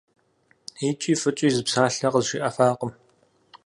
ЕкӀи фӀыкӀи зы псалъэ къызжиӀэфакъым.